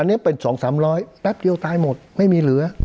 อันนี้เป็น๒๓๐๐แป๊บเดียวตายหมดไม่มีเหลือ